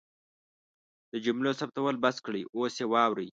د جملو ثبتول بس کړئ اوس یې واورئ